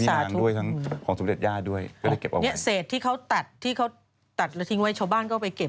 เสร็จที่เค้าตัดตัดแล้วทิ้งไว้ชาวบ้านก็อ้อกไปเก็บ